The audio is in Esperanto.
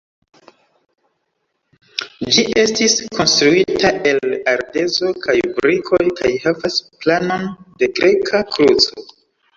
Ĝi estis konstruita el ardezo kaj brikoj kaj havas planon de greka kruco.